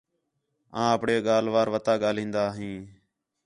آں آپݨی ڳالھ وار وَتا ڳاہلدا ہیں